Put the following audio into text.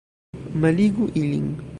Malligu ilin!